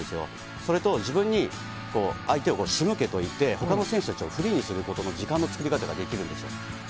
それと、自分に相手を仕向けといて、ほかの選手たちをフリーにすることの時間の作り方ができるんですよ。